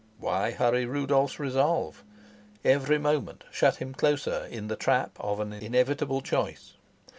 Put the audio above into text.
Why hurry Rudolf's resolve? Every moment shut him closer in the trap of an inevitable choice.